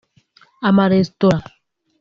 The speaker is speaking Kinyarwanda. amaresitora